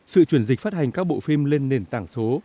sự chuyển dịch phát hành các bộ phim lên nền tảng số